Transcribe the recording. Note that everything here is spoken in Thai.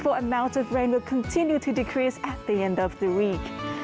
ก่อนที่ความเย็นมันจะลงไปตอนที่สุดท้าย